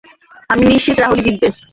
আমি নিশ্চিত রাহুলই জিতবে।